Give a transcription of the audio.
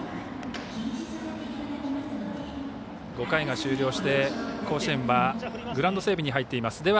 ５回が終了して甲子園はグラウンド整備に入っています。